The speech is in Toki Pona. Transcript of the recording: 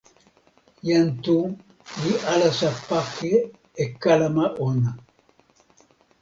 jan Tu li alasa pake e kalama ona.